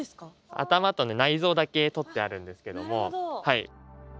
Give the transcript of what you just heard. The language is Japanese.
頭と内臓だけ取ってあるんですけども。